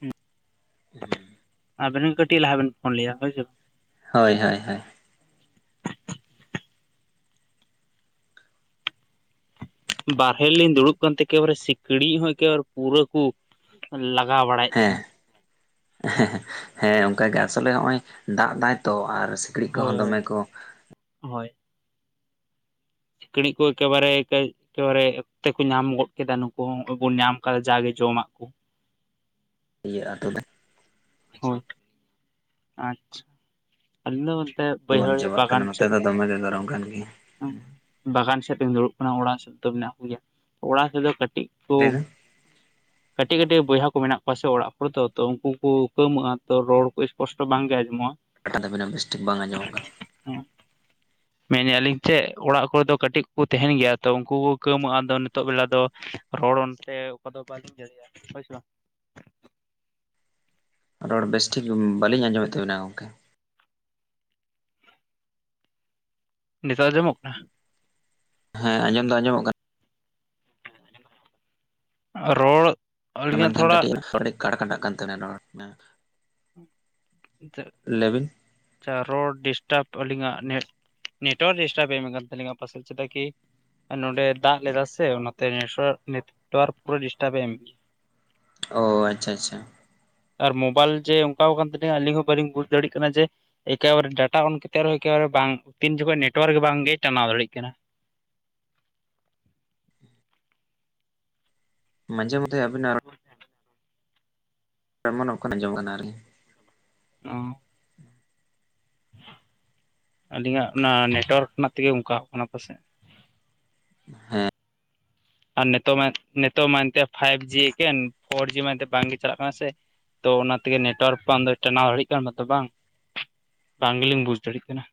ᱦᱩᱸ᱾ ᱦᱮᱸ᱾ ᱟᱵᱮᱱ [inaudible] ᱠᱟᱹᱴᱤᱡ ᱞᱟᱦᱟ ᱵᱮᱱ ᱯᱷᱳᱱ ᱞᱮᱜ-ᱟ ᱦᱳᱭᱥᱮ᱾ [inaudible] ᱦᱳᱭ ᱦᱳᱭ ᱦᱳᱭ ᱦᱳᱭ ᱾ ᱵᱟᱨᱦᱮ ᱞᱤᱧ ᱫᱩᱲᱩᱵ ᱠᱟᱱᱛᱮ ᱮᱠᱮᱵᱟᱨᱮ ᱥᱤᱠᱲᱤᱡ ᱦᱚᱸ ᱮᱠᱮᱵᱟᱨᱮ ᱯᱩᱨᱟᱹ ᱠᱚ ᱞᱟᱜᱟᱣ ᱵᱟᱲᱟᱭᱮᱫ ᱦᱮᱸ ᱞᱤᱧᱟᱹ᱾ [unintelligible] ᱦᱮᱸ ᱚᱝᱠᱟᱜ ᱜᱮ ᱟᱥᱚᱞᱮ ᱦᱚᱸᱜ-ᱚᱭ ᱫᱟᱜ ᱫᱟᱭ ᱛᱚ ᱟᱨ ᱥᱤᱠᱲᱤᱡ ᱦᱳᱭ ᱠᱚᱦᱚᱸ ᱫᱚᱢᱮ ᱦᱳᱭ ᱠᱚ ᱦᱳᱭ᱾ ᱠᱤᱲᱤᱡ ᱠᱚ ᱮᱠᱮᱵᱟᱨᱮ ᱠᱟᱹᱭ ᱮᱠᱮᱵᱟᱨᱮ, ᱚᱠᱛᱮ ᱠᱚ ᱧᱟᱢ ᱜᱚᱫ ᱠᱮᱫᱟ ᱱᱩᱠᱩ ᱦᱚᱸ ᱵᱚᱱ ᱧᱟᱢ ᱠᱟᱫᱟ ᱡᱟᱜᱮ ᱡᱚᱢᱟᱜ ᱠᱚ᱾ ᱤᱭᱟᱹᱜ-ᱟ [inaudible] ᱦᱳᱭ᱾ ᱟᱪ ᱟᱞᱤᱧ ᱫᱚ ᱵᱚᱞᱛᱮ᱾ ᱵᱟᱝ ᱪᱟᱵᱟᱜ ᱠᱟᱱᱟ ᱱᱚᱛᱮ ᱫᱚ ᱫᱚᱢᱮᱜᱮ ᱜᱚᱨᱚᱢ ᱠᱟᱱ ᱜᱮᱭᱟ᱾ ᱵᱟᱜᱟᱱ ᱥᱮᱫ [inaudible] ᱫᱩᱲᱩᱵ ᱠᱟᱱᱟ, ᱚᱲᱟᱜ ᱥᱮᱫ ᱫᱚ ᱢᱮᱱᱟᱜ ᱠᱚᱜᱮᱭᱟ ᱾ ᱚᱲᱟᱜ ᱥᱮᱫ ᱫᱚ ᱠᱟᱹᱴᱤᱡ ᱠᱚ [inaudible] ᱠᱟᱹᱴᱤᱡ ᱠᱟᱹᱴᱤᱡ ᱵᱚᱭᱦᱟ ᱠᱚ ᱢᱮᱱᱟᱜ ᱠᱚᱣᱟ ᱥᱮ ᱚᱲᱟᱜ ᱠᱚᱨᱮ ᱛᱚ, ᱛᱚ ᱩᱝᱠᱩ ᱠᱚ ᱠᱟᱹᱣ ᱢᱟᱹᱜᱼᱟ ᱛᱚ ᱨᱚᱲ ᱠᱚ ᱥᱯᱚᱥᱴᱚ ᱵᱟᱝᱜᱮ ᱟᱸᱡᱚᱢᱚᱜᱼᱟ᱾ ᱠᱟᱴᱟ ᱛᱟᱵᱤᱱᱟ ᱵᱮᱥᱴᱷᱤᱠ ᱵᱟᱝ ᱟᱸᱡᱚᱜ ᱠᱟᱱ᱾ ᱦᱩᱸ᱾ ᱢᱮᱱᱮᱜ ᱟᱹᱞᱤᱧ ᱪᱮᱫ, ᱚᱲᱟᱜ ᱠᱚᱨᱮ ᱫᱚ ᱠᱟᱹᱴᱤᱡ ᱠᱚ ᱛᱟᱦᱮᱸᱱ ᱜᱮᱭᱟ ᱛᱚ ᱩᱝᱠᱩ ᱠᱚ ᱠᱟᱹᱣ ᱢᱟᱹᱜᱼᱟ ᱟᱫᱚ ᱱᱤᱛᱚᱜ ᱵᱮᱞᱟ ᱫᱚ ᱨᱚᱲ ᱚᱱᱛᱮ ᱚᱝᱠᱟ ᱫᱚ ᱵᱟᱹᱞᱤᱧ ᱫᱟᱲᱮᱭᱟᱜ-ᱟ ᱦᱳᱭ ᱥᱮ ᱵᱟᱝ᱾ ᱨᱚᱲ ᱵᱮᱥᱴᱷᱤᱠ ᱵᱟᱹᱞᱤᱧ ᱟᱸᱡᱚᱢᱮᱫ ᱛᱟᱵᱤᱱᱟ ᱜᱚᱝᱠᱮ ᱾ ᱱᱤᱛᱟᱜ ᱟᱸᱡᱚᱢᱚᱜ ᱠᱟᱱᱟ? ᱦᱮᱸ ᱟᱸᱡᱚᱢ ᱫᱚ ᱟᱸᱡᱚᱢᱚᱜ ᱠᱟᱱ ᱨᱚᱲ ᱟᱹᱞᱤᱧᱟᱜ ᱢᱮᱱᱠᱷᱟᱱ ᱛᱷᱚᱲᱟ ᱠᱟᱹᱴᱤᱡ ᱨᱚᱲ ᱠᱟᱹᱴᱤᱡ ᱠᱟᱴᱟ ᱠᱟᱴᱟ ᱠᱟᱱ ᱛᱟᱵᱤᱱᱟ ᱨᱚᱲ [inaudible] ᱞᱟᱹᱭᱵᱤᱱ [unintelligible] ᱟᱪᱪᱷᱟ ᱨᱳᱲ ᱰᱤᱥᱴᱟᱵ ᱟᱹᱞᱤᱧᱟᱜ ᱱᱮᱴ, ᱱᱮᱴᱳᱣᱟᱨᱠ ᱰᱤᱥᱴᱟᱵ ᱮᱢ ᱠᱟᱱ ᱛᱟᱹᱞᱤᱤᱧᱟ ᱯᱟᱥᱮᱵ ᱪᱮᱫᱟᱜ ᱠᱤ ᱱᱚᱰᱮ ᱫᱟᱜ ᱞᱮᱫᱟ ᱥᱮ ᱚᱱᱟᱛᱮ ᱱᱮᱴᱣᱟᱨᱠ ᱱᱮᱴᱣᱟᱨᱠ ᱯᱩᱨᱟᱹ ᱰᱤᱥᱴᱟᱵ ᱮ [inaudible] ᱚᱻ ᱟᱪᱪᱷᱟ ᱟᱪᱪᱷᱟ ᱾ ᱟᱨ ᱢᱳᱵᱟᱭᱤᱞ ᱡᱮ ᱚᱝᱠᱟᱣ ᱠᱟᱱ ᱛᱟᱹᱞᱤᱧᱟ ᱟᱹᱞᱤᱧ ᱦᱚᱸ ᱵᱟᱹᱞᱤᱧ ᱵᱩᱡ ᱫᱟᱲᱮᱜ ᱠᱟᱱᱟ ᱡᱮ ᱮᱠᱮᱵᱟᱨᱮ ᱰᱟᱴᱟ ᱚᱱ ᱠᱟᱛᱮᱫ ᱨᱮᱦᱚᱸ ᱮᱠᱮᱵᱟᱨᱮ ᱵᱟᱝ ᱛᱤᱱ ᱡᱚᱠᱷᱚᱡ ᱱᱮᱴᱳᱣᱟᱨᱠ ᱜᱮ ᱵᱟᱝ ᱜᱮ ᱴᱟᱱᱟᱣ ᱫᱟᱲᱮᱜ ᱠᱟᱱᱟ᱾ ᱢᱟᱱᱡᱮ ᱢᱚᱫᱫᱷᱮ ᱟᱵᱮᱱᱟᱜ ᱨᱚᱲ ᱛᱮᱢᱚᱱ ᱚᱠᱷᱚᱱ ᱚᱸᱡᱚᱢ ᱠᱟᱱᱟ ᱟᱨᱠᱤ᱾ ᱚ ᱾ ᱦᱮᱸ ᱾ ᱟᱹᱞᱤᱧᱟᱜ ᱚᱱᱟ ᱱᱮᱴᱚᱣᱟᱨᱠ ᱨᱮᱱᱟᱜ ᱛᱮᱜᱮ ᱚᱱᱠᱟᱟᱜ ᱠᱟᱱᱟ ᱯᱟᱥᱮᱡ᱾ ᱦᱮᱸ ᱾ ᱟᱨ ᱱᱤᱛᱚᱜ ᱢᱟ ᱱᱤᱛᱚᱜ ᱢᱟ ᱮᱱᱛᱮ ᱯᱷᱟᱭᱤᱵ ᱡᱤ ᱮᱠᱮᱱ ᱯᱷᱳᱨ ᱡᱤ ᱢᱮᱱᱛᱮ ᱵᱟᱝᱜᱮ ᱪᱟᱞᱟᱜ ᱠᱟᱱᱟ ᱥᱮ᱾ ᱛᱚ ᱚᱱᱟ ᱛᱮᱜᱮ ᱱᱮᱴᱚᱣᱟᱨᱠ ᱟᱫᱚ ᱴᱟᱱᱟᱣ ᱫᱟᱲᱮᱭᱟᱜ ᱠᱟᱱᱟᱛᱚ ᱵᱟᱝ ᱵᱟᱝ ᱜᱮᱞᱤᱧ ᱵᱩᱡ ᱫᱟᱲᱮᱭᱟᱜ ᱠᱟᱱᱟ᱾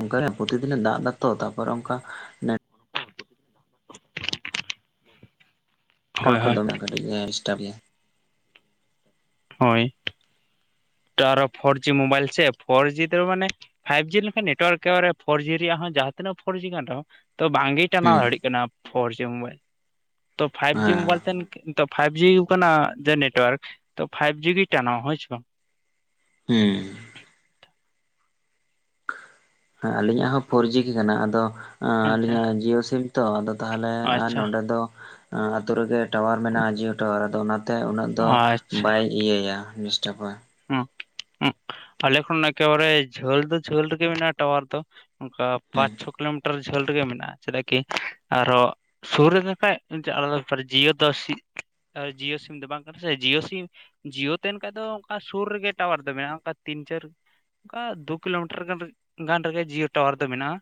ᱚᱱᱠᱮ ᱯᱨᱚᱛᱤᱫᱤᱱ ᱮ ᱫᱟᱜ ᱫᱟᱛᱚ ᱛᱟᱯᱚᱨᱮ ᱚᱱᱠᱟ ᱨᱚᱲ ᱦᱳᱭ ᱠᱚ ᱦᱳᱭ ᱫᱚᱢᱮ ᱠᱟᱹᱴᱤᱡ ᱮ ᱮᱴᱟᱯ ᱜᱮᱭᱟ᱾ ᱦᱳᱭ ᱛᱟᱨ ᱯᱷᱳᱨ ᱡᱤ ᱢᱳᱵᱟᱭᱤᱞ ᱥᱮ ᱯᱷᱳᱨ ᱡᱤ ᱛᱮ ᱢᱟᱱᱮ᱾ ᱯᱷᱟᱭᱤᱵᱷ ᱡᱤ ᱞᱮᱱᱠᱷᱟᱱ ᱱᱮᱴᱳᱣᱟᱨᱠᱵ ᱯᱷᱳᱨ ᱡᱤ ᱨᱮᱭᱟᱜ ᱦᱚᱸᱟᱸ ᱛᱤᱱᱟᱹᱜ ᱯᱷᱳᱨ ᱡᱤ ᱠᱟᱱ ᱨᱮᱦᱚᱸ ᱛᱚ ᱵᱟᱝᱜᱮ ᱴᱟᱱᱟᱣ ᱦᱩᱸ ᱫᱟᱲᱭᱟᱜ ᱠᱟᱱᱟ ᱯᱷᱳᱨ ᱡᱤ ᱢᱳᱵᱟᱭᱤᱞ ᱛᱚ ᱯᱷᱟᱭᱤᱵ ᱡᱤ ᱦᱮᱸ ᱢᱳᱵᱟᱭᱤᱞ ᱛᱮ ᱯᱷᱟᱭᱤᱵ ᱡᱤ ᱠᱟᱱᱟ ᱡᱮ ᱱᱮᱴᱳᱣᱟᱨᱠ ᱛᱚ ᱯᱷᱟᱭᱤᱵ ᱡᱤ ᱴᱟᱱᱟᱚᱜᱼᱟ ᱦᱳᱭ ᱥᱮ ᱦᱮᱸ ᱾ ᱦᱮᱸ ᱟᱞᱤᱧᱟᱜ ᱦᱚᱸ ᱯᱷᱳᱨ ᱡᱤ ᱜᱮ ᱠᱟᱱᱟ ᱟᱫᱚ ᱟᱪᱪᱷᱟ ᱟᱹᱞᱤᱧᱟᱜ ᱡᱤᱭᱳ ᱥᱤᱢ ᱛᱚ ᱟᱫᱚ ᱛᱟᱦᱚᱞᱮ ᱟᱨ ᱟᱪᱪᱷᱟ ᱱᱚᱰᱮ ᱫᱚ ᱟᱛᱳ ᱨᱮᱜᱮ ᱴᱟᱣᱟᱨ ᱢᱮᱱᱟᱜᱼᱟ ᱡᱤᱭᱳ ᱴᱟᱣᱟᱨ ᱟᱫᱚ ᱚᱱᱟ ᱛᱮ ᱩᱱᱟᱹᱜ ᱫᱚ ᱵᱟᱭ ᱤᱭᱟᱹᱭᱟ ᱰᱤᱥᱴᱟᱯᱟ᱾ ᱦ ᱦ‌ ᱾ ᱟᱞᱮ ᱠᱷᱚᱱ ᱮᱠᱮᱵᱟᱨᱮ ᱡᱷᱟᱹᱞ ᱫᱚ ᱡᱷᱟᱹᱞ ᱨᱮᱜᱮ ᱢᱮᱱᱟᱜᱼᱟ ᱴᱟᱣᱟᱨ ᱫᱚ ᱚᱱᱠᱟ ᱦᱮᱸ ᱯᱟᱸᱪ, ᱪᱷᱚ ᱠᱤᱞᱳᱢᱤᱴᱟᱨ ᱡᱷᱟᱹᱞ ᱨᱮᱜᱮ ᱢᱮᱱᱟᱜᱼᱟ ᱪᱮᱫᱟᱜ ᱠᱤ ᱟᱨᱚ ᱥᱩᱨ ᱨᱮᱠᱟᱱᱡ ᱟᱞᱟᱫᱟ ᱵᱮᱯᱟᱨ ᱡᱤᱭᱳ ᱫᱚ ᱡᱤᱭᱳ ᱥᱤᱢ ᱫᱚ ᱵᱟᱝ ᱠᱟᱱᱟ ᱥᱮ ᱡᱤᱭᱳ ᱥᱤᱢ ᱡᱤᱭᱳ ᱛᱟᱦᱮᱱ ᱫᱚ ᱚᱱᱠᱟ ᱥᱩᱨ ᱨᱮᱜᱮ ᱴᱟᱣᱟᱨ ᱫᱚ ᱢᱮᱱᱟᱜᱼᱟ ᱚᱱᱠᱟ ᱛᱤᱱ, ᱪᱟᱨ ᱚᱱᱠᱟ ᱫᱩ ᱠᱤᱞᱳᱢᱤᱴᱟᱨ ᱜᱟᱱ ᱨᱮᱜᱮ ᱴᱟᱣᱟᱨ ᱫᱚ ᱢᱮᱱᱟᱜᱼᱟ᱾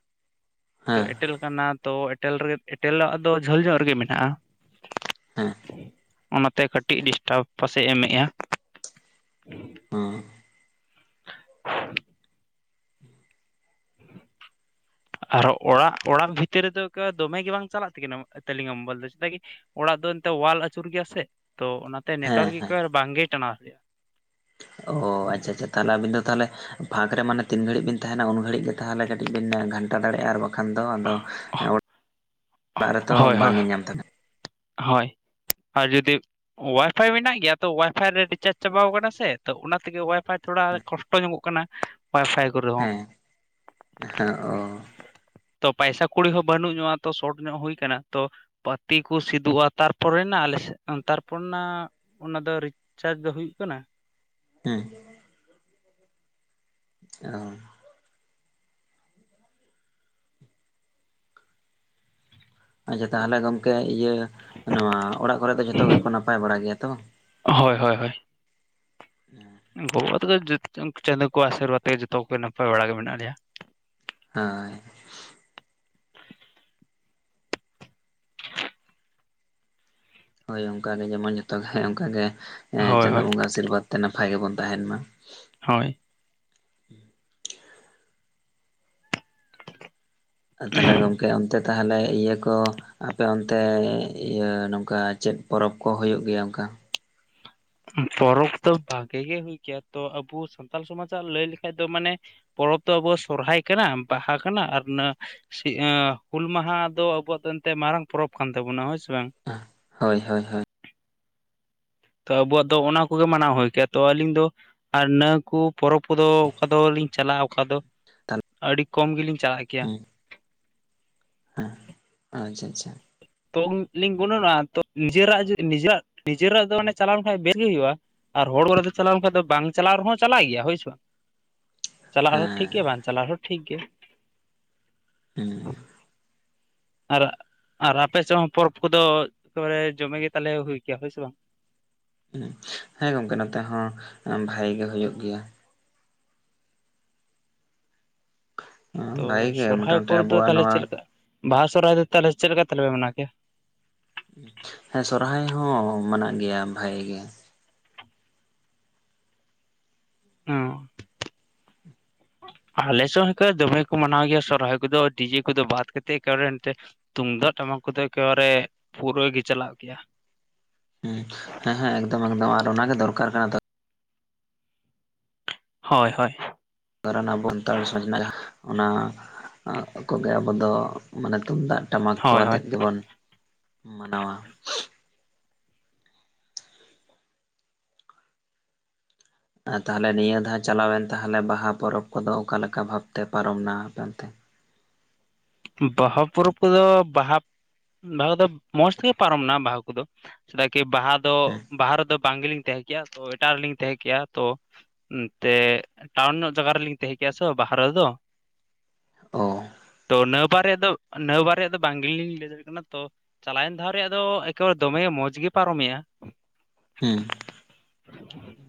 ᱛᱚ ᱦᱮᱸ ᱮᱴᱮᱞ ᱠᱟᱱᱟ ᱛᱚ ᱮᱴᱮᱞ ᱨᱮᱜ ᱮᱴᱮᱞᱟᱜ ᱫᱚ ᱡᱷᱟᱹᱞ ᱧᱚᱜ ᱨᱮᱜᱮ ᱢᱮᱱᱟᱜᱼᱟ᱾ ᱦᱮᱸ ᱾ ᱚᱱᱟᱛᱮ ᱠᱟᱹᱴᱤᱡ ᱰᱤᱥᱴᱟᱵᱽ ᱯᱟᱥᱮ ᱮᱢᱮᱜᱼᱟ᱾ ᱦᱮᱸ ᱾ [unintelligible] [unintelligible] ᱟᱨᱚ ᱚᱲᱟᱜ ᱚᱲᱟᱜ ᱵᱷᱤᱛᱤᱨ ᱨᱮᱫᱚ ᱫᱚᱢᱮ ᱜᱮ ᱵᱟᱝ ᱪᱟᱞᱟᱜ ᱛᱟᱹᱠᱤ ᱛᱟᱹᱞᱤᱝ ᱢᱵᱚᱞ ᱫᱚ ᱪᱮᱫᱟᱜ ᱠᱤ ᱚᱲᱟᱜ ᱫᱚ ᱮᱱᱛ ᱚᱣᱟᱞ ᱟᱹᱪᱩᱨ ᱜᱮᱭᱟ ᱥᱮ ᱛᱚ ᱥᱮ ᱦᱮᱸ ᱱᱮᱴᱣᱟᱨᱠ ᱦᱮᱸ ᱮᱠᱵᱟᱨ ᱵᱟᱝᱜᱮᱭ ᱴᱟᱱᱟᱣ ᱛᱟᱦᱮ ᱚ ᱟᱪᱷᱟ ᱟᱪᱷᱟ ᱛᱟᱦᱚᱞᱮ ᱟᱵᱤᱱ ᱫᱚ ᱛᱟᱦᱚᱞᱮ ᱯᱷᱟᱸᱠ ᱨᱮ ᱢᱟᱱᱮ ᱛᱤᱱ ᱜᱷᱟᱹᱲᱤᱡ ᱵᱤᱱ ᱛᱟᱦᱮᱱᱟ ᱩᱱ ᱜᱷᱟᱹᱲᱤᱡ ᱜᱮ ᱛᱟᱦᱚᱞᱮ ᱠᱟᱹᱴᱤᱡ ᱵᱮᱤᱱ ᱜᱷᱟᱱᱴᱟ ᱫᱟᱲᱮᱭᱟᱜᱼᱟ ᱟᱨ ᱵᱟᱠᱷᱟᱱ ᱫᱚ ᱟᱫᱚ ᱚ ᱚᱲᱟᱜ ᱨᱮᱛᱚ ᱦᱳᱭ ᱵᱟᱝ ᱦᱳᱭ ᱜᱮ ᱧᱟᱢ ᱛᱟᱦᱮ ᱦᱳᱭ, ᱟᱨ ᱡᱩᱫᱤ ᱚᱣᱟᱭᱯᱷᱟᱭ ᱢᱮᱱᱟᱜ ᱜᱮᱭᱟ ᱛᱚ ᱚᱣᱟᱭᱯᱷᱟᱭ ᱨᱮ ᱨᱤᱪᱟᱨᱡᱽ ᱪᱟᱵᱟᱟᱣ ᱟᱠᱟᱱᱟ ᱥᱮ ᱛᱚ ᱚᱱᱟ ᱛᱮᱜᱮ ᱚᱣᱟᱭᱯᱷᱟᱭ ᱛᱷᱚᱲᱟ ᱠᱚᱥᱴᱚ ᱧᱚᱜᱚᱜ ᱠᱟᱱᱟ ᱚᱣᱟᱭᱯᱷᱟᱭ ᱦᱮᱸ ᱦᱮᱸ ᱚ ᱾ ᱛᱚ ᱯᱟᱭᱥᱟ ᱠᱩᱲᱤ ᱦᱚᱸ ᱵᱟᱹᱱᱩᱜ ᱧᱚᱜᱼᱟ ᱛᱚ ᱥᱚᱴ ᱧᱚᱜ ᱦᱩᱭ ᱠᱟᱱᱟ ᱛᱚ ᱯᱟᱛᱤ ᱠᱚ ᱛᱩᱜᱼᱟ ᱛᱟᱨᱯᱚᱨᱮᱱᱟ ᱟᱞᱮᱥᱮᱫ ᱛᱟᱨᱯᱚᱨᱮ ᱱᱟ ᱚᱱᱟ ᱫᱚ ᱨᱤᱪᱟᱨᱡᱽ ᱫᱚ ᱦᱩᱭᱩᱜ ᱠᱟᱱᱟ᱾ ᱦᱮᱸ ᱾ ᱚ ᱾ ᱟᱪᱷᱟ ᱛᱟᱦᱚᱞᱮ ᱜᱚᱝᱠᱮ ᱤᱭᱟᱹ ᱱᱚᱣᱟ ᱚᱲᱟᱜ ᱠᱚᱨᱮ ᱫᱚ ᱡᱚᱛᱚ ᱜᱮᱠᱚ ᱱᱟᱯᱟᱭ ᱵᱟᱲᱟ ᱜᱮᱭᱟ ᱛᱚ? ᱦᱳᱭ ᱦᱳᱭ ᱦᱳᱭ ᱾ ᱚᱸ ᱾ ᱜᱚᱜᱚᱵᱟ [inaudible] ᱛᱮᱫᱚ [unintelligible] ᱪᱟᱸᱫᱳ ᱠᱚ ᱟᱥᱤᱨᱵᱟᱫ ᱛᱮ ᱡᱚᱛᱚ ᱠᱚᱜᱮ ᱱᱟᱯᱟᱭ ᱵᱟᱲᱟ ᱜᱮ ᱢᱮᱱᱟᱜ ᱞᱮᱭᱟ᱾ [inaudible] ᱦᱳᱭ ᱚᱱᱠᱟᱜ ᱜᱮ ᱡᱮᱢᱚᱱ ᱡᱚᱛᱚ ᱚᱱᱠᱟ ᱜᱮ ᱦᱳᱭ ᱪᱟᱸᱫᱳ ᱦᱳᱭ ᱵᱚᱸᱜᱟ ᱟᱥᱤᱨᱵᱟᱫᱽ ᱛᱮ ᱱᱟᱯᱟᱭ ᱜᱮᱵᱚᱱ ᱛᱟᱦᱮᱱ ᱢᱟ᱾ ᱦᱳᱭ ᱾ ᱛᱟᱦᱚᱞᱮ ᱜᱚᱢᱠᱮ ᱚᱱᱛᱮ ᱛᱟᱦᱚᱞᱮ ᱤᱭᱟᱹ ᱠᱚ ᱟᱯᱮ ᱚᱱᱛᱮ ᱤᱭᱟᱹ ᱱᱚᱝᱠᱟ ᱪᱮᱫ ᱯᱚᱨᱚᱵᱽ ᱠᱚ ᱦᱚᱭᱳᱜ ᱜᱮᱭᱟ ᱚᱱᱠᱟ? ᱯᱚᱨᱚᱵ ᱫᱚ ᱵᱷᱟᱜᱮ ᱜᱮ ᱦᱩᱭ ᱠᱮᱭᱟ ᱛᱚ ᱟᱵᱚ ᱥᱟᱱᱛᱟᱞ ᱥᱚᱢᱟᱡᱟᱜ ᱞᱟᱹᱭ ᱞᱮᱠᱷᱟᱡ ᱫᱚ ᱢᱟᱱᱮ ᱯᱚᱨᱚᱵ ᱫᱚ ᱟᱵᱚ ᱥᱚᱨᱦᱟᱭ ᱠᱟᱱᱟ ᱵᱟᱦᱟ ᱠᱟᱱᱟ ᱟᱨ ᱚᱱᱟ ᱦᱩᱞ ᱢᱟᱦᱟ ᱫᱚ ᱟᱵᱚᱣᱟᱜ ᱫᱚ ᱮᱱᱛᱮ ᱢᱟᱨᱟᱝ ᱯᱚᱨᱚᱵ ᱠᱟᱱ ᱛᱟᱵᱚᱱᱟ ᱦᱳᱭ ᱥᱮ ᱵᱟᱝ? ᱦᱳᱭ ᱦᱳᱭ ᱦᱳᱭ ᱾ ᱛᱚ ᱟᱵᱚᱣᱟᱜ ᱫᱚ ᱚᱱᱟ ᱠᱚᱜᱮ ᱢᱟᱱᱟᱣ ᱦᱩᱭ ᱠᱮᱭᱟ ᱛᱚ ᱟᱹᱞᱤᱧ ᱫᱚ ᱟᱨ ᱱᱚᱣᱟ ᱠᱚ ᱯᱚᱨᱚᱵ ᱠᱚᱫᱚ ᱚᱠᱟ ᱫᱚᱞᱤᱧ ᱪᱟᱞᱟᱜᱼᱟ ᱚᱠᱟ ᱫᱚ ᱛᱟᱦᱚᱞᱮ ᱟᱹᱰᱤ ᱠᱚᱢ ᱜᱮᱞᱤᱧ ᱪᱟᱞᱟᱜ ᱜᱮ ᱦᱮᱸ ᱟᱪᱪᱷᱟ ᱟᱪᱪᱷᱟ ᱾ ᱛᱚ ᱞᱤᱧ ᱜᱩᱱᱟᱹᱱᱚᱜᱼᱟ ᱛᱚ ᱱᱤᱡᱮᱨᱟᱜ ᱱᱤᱡᱮᱨᱟᱜ ᱱᱤᱡᱮᱨᱟᱜ ᱫᱚ ᱡᱮ ᱪᱟᱞᱟᱣ ᱞᱮᱱᱠᱷᱷᱟᱡ ᱵᱮᱥ ᱜᱮ ᱦᱩᱭᱩᱜᱼᱟ᱾ ᱟᱨ ᱦᱚᱲ ᱠᱟᱨᱮᱫᱚ ᱪᱟᱞᱟᱣ ᱟᱱᱠᱷᱟᱡ ᱫᱚ ᱵᱟᱝ ᱪᱟᱞᱟᱣ ᱨᱮᱦᱚᱸ ᱪᱟᱞᱟᱜ ᱜᱮᱭᱟ ᱦᱳᱭ ᱥᱮ ᱵᱟᱝ ᱾ [unintelligible] ᱪᱟᱞᱟᱜ ᱦᱮᱸ ᱨᱮᱦᱚᱸ ᱴᱷᱤᱠ ᱜᱮ ᱵᱟᱝ ᱪᱟᱞᱟᱜ ᱨᱮᱦᱚᱸ ᱴᱷᱤᱠ ᱜᱮ᱾ [unintelligible] ᱟᱨ ᱟᱨ ᱟᱯᱮ ᱥᱮᱫ ᱦᱚᱸ ᱯᱚᱨᱚᱵ ᱠᱚᱫᱚ ᱮᱠᱮᱵᱟᱨᱮ ᱡᱚᱢᱮᱜ ᱜᱮ ᱛᱟᱞᱮ ᱦᱩᱭ ᱠᱮᱭᱟ ᱦᱳᱭ ᱥᱮ ᱵᱟᱝ? ᱦᱮᱸ ᱜᱚᱢᱠᱮ ᱱᱚᱛᱮ ᱦᱚᱸ ᱵᱷᱟᱜᱤ ᱜᱮ ᱦᱚᱭᱳᱜ ᱜᱮᱭᱟ ᱾ ᱛᱚ ᱵᱷᱟᱜᱮ ᱜᱮ ᱥᱚᱨᱦᱟᱭ ᱢᱚᱴᱟᱢᱩᱴᱤ ᱯᱚᱨᱮ ᱫᱚ ᱟᱵᱚᱣᱟᱜ ᱛᱟᱦᱚᱞᱮ ᱱᱚᱣᱟ ᱪᱮᱫ ᱞᱮᱠᱟ? ᱵᱟᱦᱟ ᱥᱚᱨᱦᱟᱭ ᱫᱚ ᱛᱟᱦᱚᱞᱮ ᱪᱮᱫ ᱞᱮᱠᱟ ᱛᱟᱦᱚᱞᱮ ᱯᱮ ᱢᱟᱱᱟᱣ ᱠᱮᱭᱟ? ᱦᱮᱸ ᱥᱚᱨᱦᱟᱭ ᱦᱚᱸ ᱢᱟᱱᱟᱜ ᱜᱮᱭᱟ ᱵᱷᱟᱜᱤ ᱜᱮ ᱾ [unintelligible] [unintelligible] ᱟᱞᱮ ᱥᱮᱫ ᱦᱚᱸ ᱦᱚᱠᱚ ᱫᱚᱢᱮ ᱠᱚ ᱢᱟᱱᱟᱣ ᱜᱮᱭᱟ ᱥᱚᱨᱦᱟᱭ ᱠᱚᱫᱚ ᱰᱤᱡᱮ ᱠᱚᱫᱚ ᱵᱟᱫ ᱠᱟᱛᱮᱫ ᱮᱠᱮᱵᱟᱨᱮ ᱮᱱᱛᱮ ᱛᱩᱢᱫᱟᱜ ᱴᱟᱢᱟᱠ ᱠᱚᱛᱮ ᱮᱠᱮᱵᱟᱨᱮ ᱯᱩᱨᱟᱹ ᱜᱮ ᱪᱟᱞᱟᱜ ᱜᱮᱭᱟ᱾ ᱦᱮᱸ ᱦᱮᱸ ᱮᱠᱫᱚᱢ ᱮᱠᱫᱚᱢ ᱟᱨ ᱚᱱᱟᱜ ᱜᱮ ᱫᱚᱨᱠᱟᱨ ᱠᱟᱱᱟ ᱛᱚ ᱾ ᱦᱚᱭ ᱦᱚᱭ᱾ ᱠᱟᱨᱚᱱ ᱟᱵᱚ ᱥᱟᱱᱛᱟᱲ ᱥᱚᱢᱟᱡᱽ ᱨᱮᱱᱟᱜ ᱚᱱᱟ ᱠᱚᱜᱮ ᱟᱵᱚ ᱫᱚ ᱢᱟᱱᱮ ᱛᱩᱢᱫᱟᱜ ᱴᱟᱢᱟᱠ ᱠᱚ ᱦᱳᱭ ᱦᱳᱭ ᱟᱛᱮᱫ ᱜᱮᱵᱚᱱ ᱢᱟᱱᱟᱣᱟ ᱾ ᱟᱨ ᱛᱟᱦᱚᱞᱮ ᱱᱤᱭᱟᱹ ᱫᱷᱟᱣ ᱪᱟᱞᱟᱣᱮᱱ ᱛᱟᱦᱚᱞᱮ ᱵᱟᱦᱟ ᱯᱚᱨᱚᱵ ᱠᱚᱫᱚ ᱚᱠᱟ ᱞᱮᱠᱟ ᱵᱷᱟᱵᱛᱮ ᱯᱟᱨᱚᱢ ᱱᱟ ᱟᱯᱮ ᱚᱱᱛᱮ? ᱵᱟᱦᱟ ᱯᱚᱨᱚᱵ ᱠᱚᱫᱚ ᱵᱟᱦᱟ ᱵᱟᱦᱟ ᱫᱚ ᱢᱚᱡᱽ ᱛᱮᱜᱮ ᱯᱟᱨᱚᱢᱱᱟ ᱵᱟᱦᱟ ᱠᱚᱫᱚ᱾ ᱪᱮᱫᱟᱜ ᱠᱤ ᱵᱟᱦᱟ ᱫᱚ ᱦᱮᱸ ᱵᱟᱦᱟ ᱨᱮᱫᱚ ᱵᱟᱝ ᱜᱮᱞᱤᱧ ᱛᱟᱦᱮᱸ ᱠᱮᱜᱼᱟ ᱛᱚ ᱮᱴᱟᱜ ᱨᱮᱞᱤᱧ ᱛᱟᱦᱮᱸ ᱠᱮᱼᱟ ᱛᱚ ᱮᱱᱛᱮ ᱴᱟᱣᱩᱱ ᱧᱚᱜ ᱡᱟᱭᱜᱟ ᱨᱮᱞᱤᱧ ᱛᱟᱦᱮᱸ ᱠᱮᱼᱟ ᱥᱮ ᱵᱟᱦᱟ ᱨᱮᱫᱚ᱾ ᱚ ᱾ ᱛᱚ ᱱᱟᱹᱣ ᱵᱟᱨᱮ ᱫᱚ ᱱᱟ. ᱣ ᱵᱟᱨᱮᱜ ᱫᱚ ᱵᱟᱝᱜᱤᱞᱤᱧ ᱞᱟᱹᱭ ᱫᱟᱲᱮᱭᱟᱜ ᱠᱟᱱᱟ ᱛᱚ ᱪᱟᱞᱟᱣᱮᱱ ᱫᱷᱟᱣ ᱨᱮᱭᱟᱜ ᱫᱚ ᱮᱠᱮᱵᱟᱨᱮ ᱫᱚᱢᱮ ᱢᱚᱡᱽ ᱜᱮ ᱯᱟᱨᱚᱢᱮᱭᱟ ᱾ ᱦᱮᱸ ᱾ [unintelligible]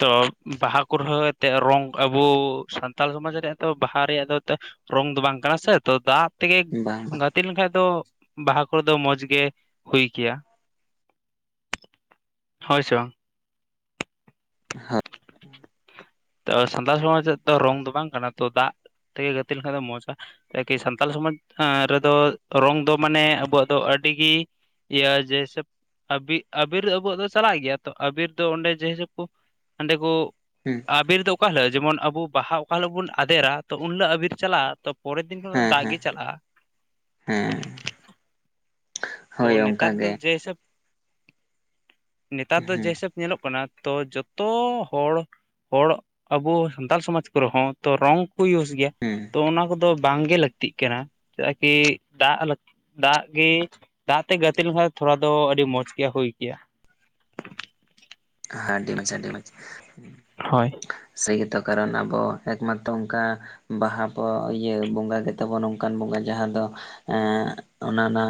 ᱛᱚ ᱵᱟᱦᱟ ᱠᱚ ᱨᱮᱦᱚᱸ ᱮᱱᱛᱮᱫ ᱨᱚᱝ ᱟᱜᱩ ᱥᱟᱱᱛᱟᱲ ᱥᱚᱢᱟᱡᱽ ᱨᱮᱭᱟᱜ ᱛᱚ ᱵᱟᱦᱟ ᱨᱮᱭᱟᱜ ᱫᱚ ᱛᱚ ᱨᱚᱝ ᱫᱚ ᱵᱟᱝ ᱠᱟᱱᱟ ᱥᱮ ᱛᱚ ᱫᱟᱜ ᱛᱮᱜᱮ ᱵᱟᱝ ᱵᱟᱝ ᱜᱟ ᱜᱟᱛᱮ ᱞᱮᱱᱠᱷᱟᱡ ᱫᱚ ᱵᱟᱦᱟ ᱠᱚᱫᱚ ᱢᱚᱡᱽ ᱜᱮ ᱦᱩᱭ ᱠᱮᱭᱟ ᱾ ᱦᱳᱭ ᱥᱮ ᱵᱟᱝ? [unintelligible] ᱥᱟᱱᱛᱟᱲ ᱥᱚᱢᱟᱡᱽ ᱫᱚ ᱨᱚᱝ ᱫᱚ ᱵᱟᱝ ᱠᱟᱱᱟ ᱛᱚ ᱫᱟᱜ ᱛᱮᱜᱮ ᱜᱟᱛᱮ ᱞᱮᱱᱠᱷᱟᱱ ᱫᱚ ᱢᱚᱸᱡᱽ ᱚᱜ-ᱟ᱾ ᱮᱠᱤ ᱥᱟᱱᱛᱟᱲ ᱥᱚᱢᱟᱡᱽ ᱨᱮᱫᱚ ᱨᱚᱝ ᱫᱚ ᱢᱟᱱᱮ ᱟᱵᱚᱣᱟᱜ ᱫᱚ ᱟᱹᱰᱤ ᱜᱮ ᱤᱭᱟᱹ ᱡᱮᱭᱥᱮᱵ ᱟᱵᱤ ᱟᱵᱤᱨ ᱟᱵᱚᱣᱟᱜ ᱫᱚ ᱪᱟᱞᱟᱜ ᱜᱮᱭᱟ ᱛᱚ᱾ ᱟᱵᱤᱨ ᱫᱚ ᱚᱸᱰᱮ ᱡᱮ ᱦᱤᱥᱟᱹᱵ ᱠᱚ ᱚᱸᱰᱮ ᱠᱚ᱾ ᱦᱩᱸ᱾ ᱟᱵᱤᱨ ᱫᱚ ᱚᱠᱟ ᱦᱤᱞᱳᱜ ᱡᱮᱢᱚᱱ ᱟᱵᱚ ᱵᱟᱦᱟ ᱚᱠᱟ ᱦᱤᱞᱳᱜ ᱵᱚᱱ ᱟᱫᱮᱨᱟ ᱛᱚ ᱩᱱ ᱦᱤᱞᱳᱜ ᱟᱵᱤᱨ ᱪᱟᱞᱟᱜ-ᱟ᱾ ᱯᱚᱨᱮᱨ ᱫᱤᱱ ᱠᱷᱚᱱ ᱫᱚ ᱦᱮᱸ ᱫᱟᱜ ᱜᱮ ᱦᱮᱸ ᱪᱟᱞᱟᱜ-ᱟ᱾ ᱦᱮᱸ ᱛᱚ ᱦᱳᱭ ᱚᱱᱠᱟ ᱜᱮ᱾ ᱱᱮᱛᱟᱨ ᱫᱚ ᱡᱮ ᱦᱩᱸ ᱦᱤᱥᱟᱹᱵ ᱧᱮᱞᱚᱜ ᱠᱟᱱᱟ ᱛᱚ ᱡᱷᱚᱛᱚ ᱦᱚᱲ ᱦᱚᱲ ᱟᱵᱚ ᱥᱟᱱᱛᱟᱲ ᱥᱚᱢᱟᱡᱽ ᱠᱚᱨᱮ ᱦᱚᱸ ᱛᱚ ᱨᱚᱝ ᱠᱚ ᱤᱭᱩᱡᱽ ᱜᱮᱭᱟ᱾ ᱦᱮᱸ᱾ ᱛᱚ ᱚᱱᱟ ᱠᱚᱫᱚ ᱵᱟᱝ ᱜᱮ ᱞᱟᱹᱠᱛᱤᱜ ᱠᱟᱱᱟ᱾ ᱪᱮᱫᱟᱜ ᱠᱤ ᱫᱟᱜ, ᱫᱟᱜ ᱜᱮ ᱫᱟᱜ ᱛᱮ ᱜᱟᱛᱮ ᱞᱮᱠᱷᱟᱱ ᱛᱷᱚᱲᱟ ᱫᱚ ᱟᱹᱰᱤ ᱢᱚᱸᱡᱽ ᱜᱮ ᱦᱩᱭ ᱠᱮᱭᱟ᱾ ᱦᱮᱸ ᱟᱹᱰᱤ ᱢᱚᱸᱡᱽ, ᱟᱹᱰᱤ ᱟᱹᱰᱤ ᱢᱚᱸᱡᱽ᱾ ᱦᱳᱭ᱾ ᱥᱮ ᱜᱮᱛᱚ ᱠᱟᱨᱚᱱ ᱟᱵᱚ ᱮᱠᱢᱟᱛᱨᱚ ᱚᱱᱠᱟ᱾ ᱵᱟᱦᱟ ᱯᱮ ᱤᱭᱟ. ᱵᱚᱸᱜᱟ ᱜᱮ ᱛᱟᱵᱚ ᱱᱚᱝᱠᱟᱱ ᱵᱚᱸᱜᱟ ᱡᱟᱦᱟ ᱫᱚ ᱮᱸᱻ ᱚᱱᱟ ᱚᱱᱟ ᱢᱟ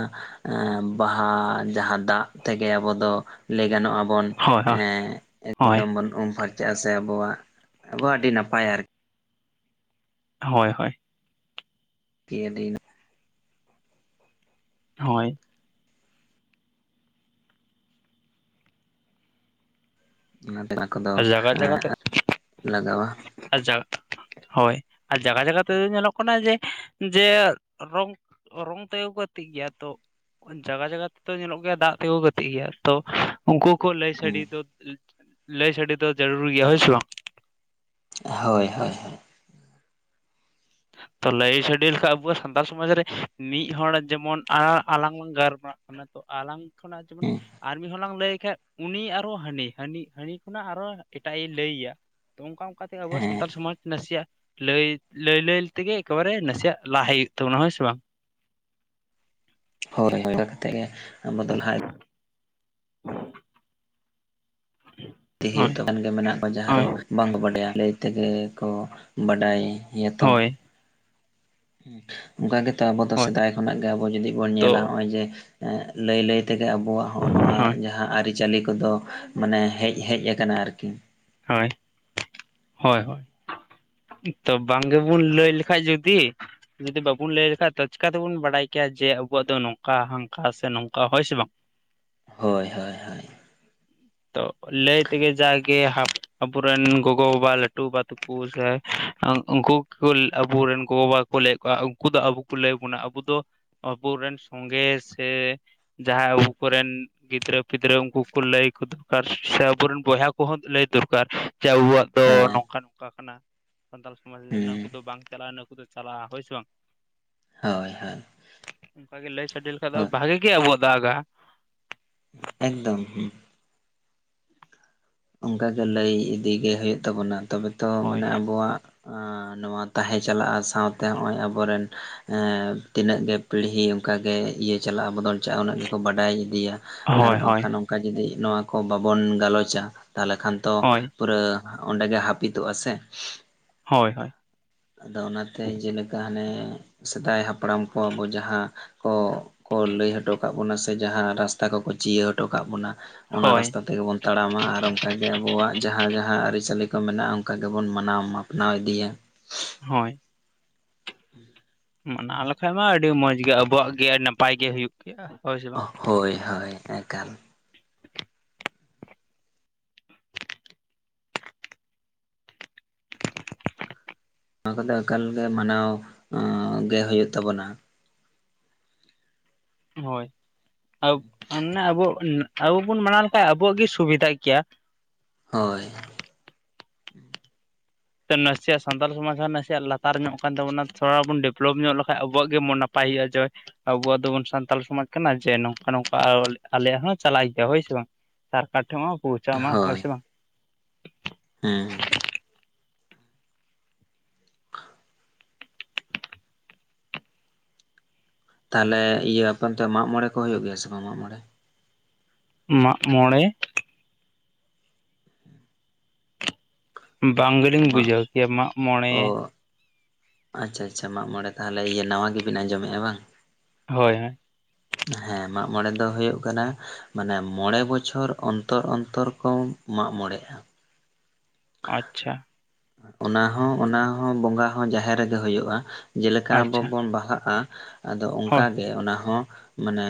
ᱵᱟᱦᱟ ᱡᱟᱦᱟ ᱫᱟᱜ ᱛᱮᱜᱮ ᱟᱵᱚ ᱫᱚ ᱞᱟᱹᱭ ᱜᱟᱱᱚᱜ ᱟᱵᱚᱱ᱾ ᱦᱳᱭ ᱦᱳᱭ ᱮᱸᱻ ᱦᱳᱭ ᱮᱠᱫᱚᱢ ᱵᱚᱱ ᱩᱢ ᱯᱷᱟᱨᱪᱟᱜ-ᱟ ᱥᱮ ᱟᱵᱚᱣᱟᱜ ᱟᱵᱚᱣᱟᱜ ᱟᱹᱰᱤ ᱱᱟᱯᱟᱭ ᱟᱨ ᱦᱳᱭ, ᱦᱳᱭ᱾ ᱪᱤᱭᱟᱹ ᱫᱤᱱ ᱦᱳᱭ᱾ ᱱᱚᱛᱮᱱᱟᱜ ᱠᱚᱫᱚ ᱟᱨ ᱡᱟᱭᱜᱟ ᱮᱸᱻ ᱡᱟᱭᱜᱟ ᱛᱮ ᱞᱟᱜᱟᱣᱟ᱾ ᱟᱨ ᱡᱟᱠ ᱦᱳᱭ ᱟᱨ ᱡᱟᱭᱜᱟ, ᱡᱟᱭᱜᱟ ᱛᱮᱫᱚ ᱧᱮᱞᱚᱜ ᱠᱟᱱᱟ᱾ ᱡᱮ ᱡᱮ ᱨᱚᱝ, ᱨᱚᱝ ᱛᱮ ᱠᱚ ᱜᱟᱛᱤᱜ ᱜᱮᱭᱟ ᱛᱚ᱾ ᱡᱟᱭᱜᱟ ᱡᱟᱭᱜᱟ ᱛᱮᱫᱚ ᱧᱮᱞᱚᱜ ᱜᱮᱭᱟ ᱫᱟᱜ ᱛᱮ ᱜᱳ ᱜᱟᱛᱮᱜ ᱜᱮᱭᱟ ᱛᱚ᱾ᱩᱱᱠᱩ ᱦᱚᱸ ᱠᱚ ᱞᱟᱹᱭ ᱦᱩᱸ ᱥᱟᱰᱮ ᱫᱚ᱾ ᱞᱟᱹᱭ ᱥᱟᱰᱮ ᱫᱚ ᱡᱟᱹᱨᱩᱲ ᱜᱮᱭᱟ ᱦᱳᱭ ᱥᱮ ᱵᱟᱝ? ᱦᱳᱭ, ᱦᱳᱭ᱾ ᱛᱚ ᱞᱟᱹᱭ ᱥᱟᱰᱮ ᱞᱮᱠᱷᱟᱱ ᱟᱵᱚᱣᱟᱜ ᱥᱟᱱᱛᱟᱲ ᱥᱚᱢᱟᱡᱽ ᱨᱮ ᱢᱤᱫ ᱦᱚᱲ ᱡᱮᱢᱚᱱ ᱟᱞᱟᱝ ᱜᱟᱨᱢᱟᱜ ᱠᱟᱱᱟ ᱛᱚ ᱟᱞᱟᱝ ᱠᱷᱚᱱᱟᱜ ᱡᱮᱢᱚᱱ ᱦᱩᱸ ᱟᱨ ᱢᱤᱫᱦᱚᱲ ᱞᱟᱝ ᱞᱟᱹᱭ ᱠᱷᱟᱱ᱾ ᱩᱱᱤ ᱟᱨᱚ ᱦᱟᱹᱱᱤ ᱦᱟᱹᱱᱤ ᱠᱷᱚᱱᱟᱜ ᱟᱨᱚ ᱮᱴᱟᱜ ᱮ ᱞᱟᱹᱭ ᱟᱭᱟ᱾ ᱛᱚ ᱚᱱᱠᱟ ᱚᱱᱠᱟ ᱛᱮᱜᱮ ᱟᱵᱚ ᱦᱮᱸ ᱥᱟᱱᱛᱟᱲ ᱥᱚᱢᱟᱡᱽ ᱱᱟᱥᱮᱭ ᱟᱜ ᱞᱟᱹᱭ, ᱞᱟᱹᱭ, ᱞᱟᱹᱭ ᱛᱮᱜᱮ ᱮᱠᱮ ᱵᱟᱨᱮ ᱱᱟᱥᱮᱭᱟᱜ ᱞᱟᱦᱟᱭ ᱦᱩᱭᱩᱜ ᱛᱟᱵᱚᱱᱟ ᱦᱳᱭ ᱥᱮ ᱵᱟᱝ᱾ ᱦᱳᱭ ᱦᱳᱭ ᱚᱱᱠᱟ ᱠᱟᱛᱮᱫ ᱜᱮ ᱟᱵᱚ ᱫᱚ ᱞᱟᱦᱟᱭ [inaudible] ᱦᱩᱭᱩᱜ ᱜᱮ ᱢᱮᱱᱟᱜ ᱠᱚ ᱡᱟᱦᱟ ᱫᱚ ᱦᱳᱭ ᱵᱟᱝ ᱵᱟᱰᱟᱭᱟ ᱞᱟᱹᱭ ᱛᱮᱜᱮ ᱠᱚ ᱵᱟᱰᱟᱭ᱾ ᱦᱮ ᱛᱚ᱾ ᱦᱳᱭ ᱦᱩᱸ ᱚᱱᱠᱟ ᱜᱮᱛᱚ ᱟᱵᱚ ᱫᱚ ᱦᱳᱭ ᱥᱮᱫᱟᱭ ᱠᱷᱚᱱᱟᱜ ᱜᱮ ᱟᱵᱚ ᱡᱩᱫᱤ ᱵᱚᱱ ᱧᱮᱞᱟ ᱛᱚ ᱱᱚᱸᱜ-ᱚᱭ ᱡᱮ ᱞᱟᱹᱭ, ᱞᱟᱹᱭ ᱛᱮᱜᱮ ᱟᱵᱚᱣᱟᱜ ᱦᱚᱜᱚ ᱱᱚᱣᱟ ᱦᱳᱭ ᱡᱟᱦᱟ ᱟᱹᱨᱤ ᱪᱟᱹᱞᱤ ᱠᱚᱫᱚ ᱢᱟᱱᱮ ᱦᱮᱡ ᱦᱮᱡ ᱟᱠᱟᱱᱟ ᱟᱨᱠᱤ᱾ ᱦᱳᱭ, ᱦᱳᱭ᱾ ᱛᱚ ᱵᱟᱝ ᱜᱮ ᱵᱚᱱ ᱞᱟᱹᱭ ᱞᱮᱠᱷᱟᱡ ᱡᱩᱫᱤ ᱡᱩᱫᱤ ᱵᱟᱵᱚᱱ ᱞᱟᱹᱭ ᱞᱮᱠᱷᱟᱡ ᱛᱚ ᱪᱮᱠᱟ ᱛᱮᱵᱚᱱ ᱵᱟᱲᱟᱭ ᱠᱮᱭᱟ ᱡᱮ ᱟᱵᱚᱣᱟᱜ ᱫᱚ ᱱᱚᱝᱠᱟ ᱦᱟᱱᱠᱟ ᱥᱮ ᱱᱚᱝᱠᱟ ᱦᱳᱭ ᱥᱮ ᱵᱟᱝ᱾ ᱦᱳᱭ, ᱦᱳᱭ, ᱦᱳᱭ᱾ ᱛᱚ ᱞᱟᱹᱭ ᱛᱮ ᱜᱮ ᱡᱟᱜᱮ ᱦᱟᱯ ᱟᱵᱚᱨᱮᱱ ᱜᱚᱜᱚᱵᱟᱵᱟ ᱞᱟᱹᱴᱩ ᱵᱟᱵᱟ ᱛᱟᱠᱚ ᱥᱮ ᱩᱱᱠᱩ ᱟᱵᱚᱨᱮᱱ ᱜᱚᱜᱚᱵᱟᱵᱟ ᱠᱚ ᱞᱟᱹᱭᱮᱫ ᱠᱚᱣᱟ ᱩᱱᱠᱩ ᱫᱚ ᱟᱵᱚ ᱠᱚ ᱞᱟᱹᱭ ᱟᱵᱚᱱᱟ ᱟᱵᱚ ᱫᱚ ᱟᱵᱚ ᱨᱮᱱ ᱥᱚᱝᱜᱮ ᱥᱮ ᱡᱟᱦᱟᱸ ᱟᱵᱚ ᱠᱚ ᱨᱮᱱ ᱜᱤᱫᱽᱨᱟᱹ ᱯᱤᱫᱽᱨᱟᱹ ᱩᱱᱠᱩ ᱞᱟᱹᱭ ᱟᱠ ᱫᱚᱨᱠᱟᱨ ᱥᱮ ᱟᱵᱚ ᱨᱮᱱ ᱵᱚᱭᱦᱟ ᱠᱚᱦᱚᱸ ᱞᱟᱹᱭ ᱫᱚᱨᱠᱟᱨ᱾ ᱪᱮ ᱟᱵᱚᱣᱟᱜ ᱫᱚ ᱦᱮᱸ ᱱᱚᱝᱠᱟ ᱱᱚᱝᱠᱟ ᱠᱟᱱᱟ ᱥᱟᱱᱛᱟᱲ ᱥᱚᱢᱟᱡᱽ ᱨᱮᱫᱚ ᱱᱟ. ᱠᱩ ᱦᱩᱸ ᱫᱚ ᱵᱟᱝ ᱪᱟᱞᱟᱜᱼᱟ ᱱᱟᱹᱠᱩ ᱫᱚ ᱪᱟᱞᱟᱜᱼᱟ ᱦᱳᱭ ᱥᱮ ᱵᱟᱝ᱾ ᱦᱳᱭ ᱦᱳᱭ᱾ ᱚᱱᱠᱟ ᱜᱮ ᱞᱟᱹᱭ ᱥᱟᱰᱮ ᱞᱮᱠᱷᱟᱡ ᱫᱚ ᱦᱳᱭ ᱵᱷᱟᱜᱤ ᱜᱮ ᱟᱵᱚᱣᱟᱜ ᱫᱟᱜᱟ᱾ ᱮᱠᱫᱚᱢ᱾ ᱚᱱᱠᱟᱜᱮ ᱞᱟ. ᱭ ᱤᱫᱤᱜᱮ ᱦᱩᱭᱩᱜ ᱛᱟᱵᱚᱱᱟ ᱛᱚᱵᱮ ᱛᱚ ᱦᱳᱭ ᱢᱟᱱᱮ ᱟᱵᱚᱣᱟᱜ ᱱᱚᱣᱟ ᱛᱟᱦᱮᱸ ᱪᱟᱞᱟᱜᱼᱟ ᱥᱟᱶᱛᱮ ᱦᱚᱜᱼᱚᱭ ᱟᱵᱚᱨᱮᱱ ᱛᱤᱱᱟᱹᱜ ᱜᱮ ᱯᱤᱲᱦᱤ ᱚᱱᱠᱟ ᱜᱮ ᱤᱭᱟᱹ ᱪᱟᱞᱟᱜᱼᱟ ᱵᱚᱫᱚᱞ ᱪᱟᱞᱼᱟ ᱩᱱᱟᱹᱜ ᱜᱮᱠᱚ ᱵᱟᱰᱟᱭ ᱤᱫᱤᱭᱟ᱾ ᱟᱨ ᱦᱳᱭ ᱦᱳᱭ ᱵᱟᱝᱠᱷᱟᱱ ᱱᱚᱝᱠᱟ ᱡᱩᱫᱤ ᱱᱚᱣᱟ ᱠᱚ ᱵᱟᱵᱚᱱ ᱜᱟᱞᱚᱪᱟ, ᱛᱟᱦᱞᱮ ᱠᱷᱟᱱ ᱛᱚ ᱦᱳᱭ ᱯᱩᱨᱳ ᱚᱸᱰᱮᱜᱮ ᱦᱟᱹᱯᱤᱫᱚᱜᱼᱟ ᱥᱮ᱾ ᱦᱳᱭ ᱦᱳᱭ᱾ ᱟᱫᱚ ᱚᱱᱟᱛᱮ ᱡᱮᱞᱮᱠᱟ ᱦᱟᱱᱮ ᱥᱮᱫᱟᱭ ᱦᱟᱯᱲᱟᱢ ᱠᱚ ᱟᱵᱚ ᱡᱟᱦᱟᱸ ᱠᱚᱠᱚ ᱞᱟᱹᱭ ᱦᱚᱴᱚ ᱠᱟᱜ ᱵᱚᱱᱟ ᱥᱮ ᱡᱟᱦᱟᱸ ᱨᱟᱥᱛᱟ ᱠᱚᱠᱚ ᱪᱤᱭᱟᱹ ᱦᱚᱴᱚ ᱠᱟᱜ ᱵᱚᱱᱟ᱾ ᱚᱱᱟ ᱦᱳᱭ ᱨᱟᱥᱛᱟ ᱛᱮᱜᱮ ᱵᱚᱱ ᱛᱟᱲᱟᱢᱟ ᱟᱨ ᱚᱱᱠᱟᱜᱮ ᱟᱵᱚᱣᱟᱜ ᱡᱟᱦᱟᱸ ᱡᱟᱦᱟᱸ ᱟᱹᱨᱤᱪᱟᱹᱞᱤ ᱠᱚ ᱢᱮᱱᱟᱜᱼᱟ ᱚᱱᱠᱟ ᱜᱮᱵᱚᱱ ᱢᱟᱱᱟᱣ ᱢᱟᱯᱟᱱᱟᱣ ᱤᱫᱤᱭᱟ᱾ ᱦᱳᱭ᱾ [inaudible] ᱢᱟᱱᱟᱣ ᱞᱮᱠᱟᱱᱡ ᱢᱟ ᱟᱹᱰᱤ ᱢᱚᱡᱽ ᱜᱮ ᱟᱵᱚᱣᱟᱜ ᱜᱮ ᱟᱹᱰᱤ ᱱᱟᱯᱟᱭ ᱜᱮ ᱦᱩᱭᱩᱜ᱾ ᱠᱮᱜᱼᱟ ᱦᱚᱭ ᱥᱮ᱾ ᱵᱟᱝ ᱦᱳᱭ ᱦᱳᱭ ᱮᱠᱟᱞ᱾ ᱱᱚᱣᱟ ᱠᱚᱫᱚ ᱮᱠᱟᱞᱜ ᱢᱟᱱᱟᱣ ᱜᱮ ᱦᱩᱭᱩᱜᱭ ᱛᱟᱵᱚᱱᱟ᱾ ᱦᱳᱭ ᱟᱵᱚ ᱟᱵᱚ ᱵᱚᱱ ᱢᱟᱱᱟᱣ ᱞᱮᱠᱷᱟᱱᱡ ᱟᱵᱚᱣᱟᱜ ᱜᱮ ᱥᱩᱵᱤᱫᱷ ᱜᱮᱭᱟ᱾ ᱦᱳᱭ᱾ ᱱᱟᱥᱮᱭᱟᱜ ᱥᱟᱱᱛᱟᱞ ᱥᱚᱢᱟᱡᱽ ᱦᱚᱸ ᱱᱟᱥᱮᱭᱟᱜ ᱞᱟᱛᱟᱨ ᱧᱚᱜ ᱠᱟᱱ ᱛᱟᱵᱚᱱᱟ ᱛᱷᱚᱲᱟ ᱵᱚᱱ ᱰᱮᱵᱷᱞᱚᱯ ᱧᱚᱜ ᱞᱮᱠᱷᱟᱱᱡ ᱟᱵᱚᱣᱟᱜ ᱜᱮ ᱢᱚᱱ ᱱᱟᱯᱟᱭ ᱦᱩᱭᱩᱜᱼᱟ ᱡᱮ ᱟᱵᱚᱣᱟᱜ ᱫᱚᱵᱚᱱ ᱥᱟᱱᱛᱟᱲ ᱥᱚᱢᱟᱡᱽ ᱠᱟᱱᱟ ᱡᱮ ᱱᱚᱝᱠᱟ ᱱᱚᱝᱠᱟ ᱟᱞᱮᱭᱟᱜ ᱦᱚᱸ ᱪᱟᱞᱟᱜ ᱜᱮᱭᱟ ᱦᱳᱭ ᱥᱮ ᱵᱟᱝ᱾ ᱥᱟᱨᱠᱟᱨ ᱴᱷᱮᱱ ᱦᱚ ᱯᱳᱣᱪᱣ ᱢᱟ ᱦᱳᱭ ᱦᱳᱭᱥ ᱥᱮ ᱵᱟᱝ᱾ ᱦᱮᱸ᱾ ᱛᱟᱦᱚᱞᱮ ᱤᱭᱟᱹᱯᱮᱱᱛᱮ ᱢᱟᱜ ᱢᱬᱮ ᱠᱚ ᱦᱩᱭᱩᱜ ᱜᱮᱭᱟ ᱥᱮ ᱵᱟᱝ ᱢᱟᱜᱽ ᱢᱚᱬᱮ? ᱢᱟᱜᱢᱚᱬᱮ! ᱵᱟᱝ ᱜᱮᱞᱤᱧ ᱢᱟᱜ ᱵᱩᱡᱷᱟᱹᱣ ᱠᱮᱭᱟ ᱢᱟᱜᱢᱚᱬᱮ! ᱚ ᱟᱪᱪᱷᱟ ᱟᱪᱪᱷᱟ ᱢᱟᱜ ᱢᱚᱬᱮ ᱛᱟᱦᱚᱞᱮ ᱤᱭᱟᱹ ᱱᱟᱣᱟ ᱜᱮᱵᱤᱱ ᱟᱸᱡᱚᱢᱮᱫᱼᱟ ᱵᱟᱝ᱾ ᱦᱳᱭ ᱦᱳᱭ᱾ [inaudible] ᱦᱮᱸ ᱢᱟᱜ ᱢᱚᱲᱮ ᱫᱚ ᱦᱳᱭᱳᱜ ᱠᱟᱱᱟ ᱢᱟᱱᱮ ᱢᱚᱬᱮ ᱵᱚᱪᱷᱚᱨ ᱚᱱᱛᱚᱨ ᱚᱱᱛᱚᱨ ᱠᱚ᱾ ᱢᱟᱜᱢᱚᱲᱮ ᱟ᱾ ᱟᱪᱪᱷᱟ᱾ ᱚᱱᱟᱦᱚᱸ ᱚᱱᱟ ᱦᱚᱸᱚᱸ ᱵᱚᱸᱜᱟ ᱦᱚᱸ ᱡᱟᱦᱮᱨ ᱨᱮᱜᱮ ᱦᱩᱭᱩᱜᱼᱟ᱾ ᱡᱮᱞᱮᱠᱟ ᱟᱵᱚ ᱟᱪᱪᱷᱟ ᱵᱚᱱ ᱵᱟᱦᱟᱜᱼᱟ ᱟᱫᱚ ᱦᱳᱭ ᱚᱱᱠᱟ ᱜᱮ ᱚᱱᱟ ᱦᱚᱸ ᱢᱟᱱᱮ